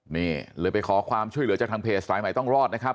นี่เลยไปขอความช่วยเหลือจากทางเพจสายใหม่ต้องรอดนะครับ